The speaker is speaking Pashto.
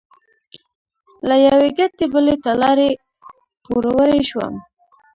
له یوې ګټې بلې ته لاړې؛ پوروړی شوم.